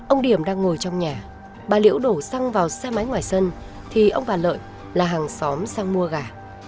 ông điểm đang ngồi trong nhà bà liễu đổ xăng vào xe máy ngoài sân thì ông bà lợi là hàng xóm sang mua gà